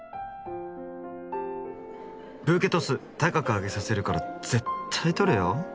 ブーケトス高く上げさせるから絶対捕れよ！